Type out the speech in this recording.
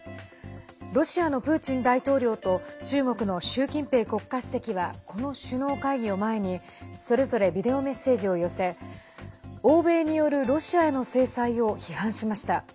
ロシアのプーチン大統領と中国の習近平国家主席はこの首脳会議を前にそれぞれビデオメッセージを寄せ欧米によるロシアへの制裁を批判しました。